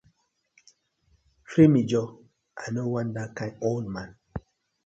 Free me joor, I no wan dat kind old man.